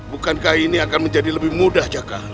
bukankah ini akan menjadi lebih mudah jaka